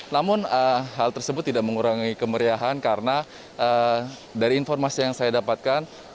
namun hal tersebut tidak mengurangi kemeriahan karena dari informasi yang saya dapatkan